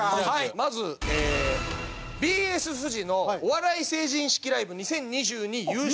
まずＢＳフジの『お笑い成人式ライブ２０２２』優勝。